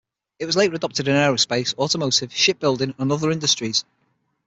It was later adopted in the aerospace, automotive, shipbuilding, and other industries.